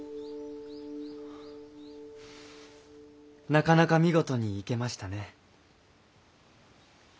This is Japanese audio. なかなか見事に生けましたね。